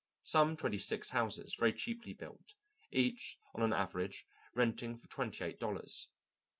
Some twenty six houses, very cheaply built, each, on an average, renting for twenty eight dollars.